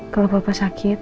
kalau papa sakit